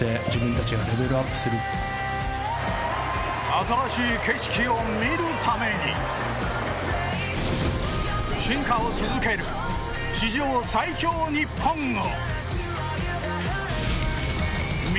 新しい景色を見るために進化を続ける史上最強・日本を。